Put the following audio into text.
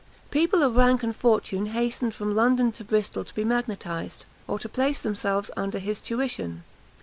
People of rank and fortune hastened from London to Bristol to be magnetised, or to place themselves under his tuition.